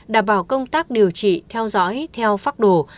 đảm bảo công tác điều trị theo dõi theo phác đồ